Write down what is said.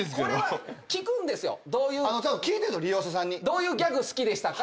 どういうギャグ好きでしたか？